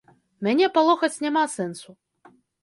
Мяне палохаць няма сэнсу.